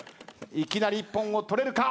いきなり一本を取れるか。